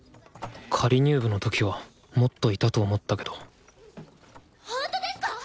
仮入部の時はもっといたと思ったけどほんとですか！？